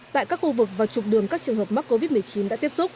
tại các khu vực và trục đường các trường hợp mắc covid một mươi chín đã tiếp xúc